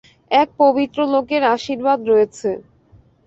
এক পবিত্র লোকের আশির্বাদ রয়েছে।